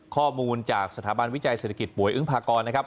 ข้อมูลจากสถาบันวิจัยเศรษฐกิจป่วยอึ้งพากรนะครับ